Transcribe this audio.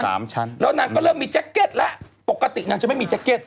ชั้นแล้วนางก็เริ่มมีแจ็คเก็ตแล้วปกตินางจะไม่มีแจ็คเก็ต